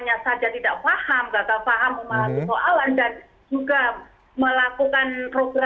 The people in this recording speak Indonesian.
dan juga melakukan program programnya juga tidak fokus